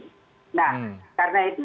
nah karena itu